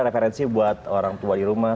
referensi buat orang tua di rumah